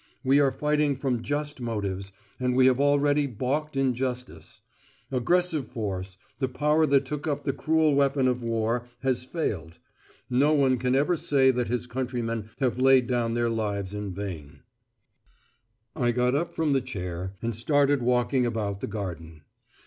We are fighting from just motives, and we have already baulked injustice. Aggressive force, the power that took up the cruel weapon of war, has failed. No one can ever say that his countrymen have laid down their lives in vain. I got up from the chair, and started walking about the garden.